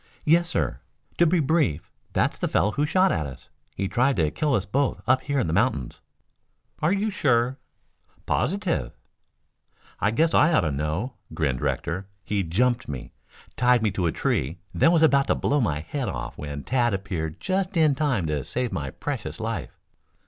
"Yes, sir. To be brief that's the fellow who shot at us. He tried to kill us both up here in the mountains." "Are you sure?" "Positive." "I guess I ought to know," grinned Rector, "He jumped me, tied me to a tree, then was about to blow my head off when Tad appeared just in time to save my precious life."